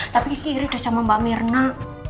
tapi kiki iri udah sama mbak mirna